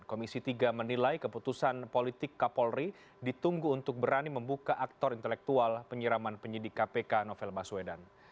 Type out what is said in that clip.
komisi tiga menilai keputusan politik kapolri ditunggu untuk berani membuka aktor intelektual penyiraman penyidik kpk novel baswedan